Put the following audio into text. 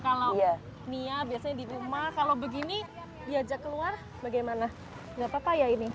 kalau nia biasanya di rumah kalau begini diajak keluar bagaimana nggak apa apa ya ini